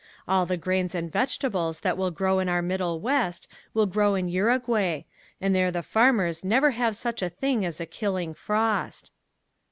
All the grains and vegetables that will grow in our middle west will grow in Uruguay and there the farmers never have such a thing as a killing frost.